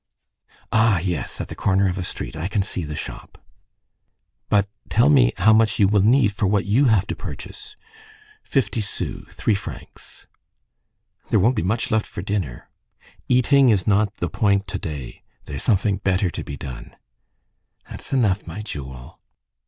"Ah! yes, at the corner of a street; I can see the shop." "But tell me how much you will need for what you have to purchase?" "Fifty sous—three francs." "There won't be much left for dinner." "Eating is not the point to day. There's something better to be done." "That's enough, my jewel."